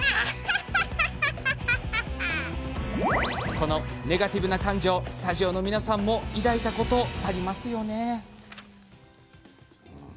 このネガティブな感情スタジオの皆さんも抱いたことありますよね？